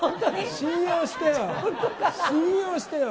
信用してよ。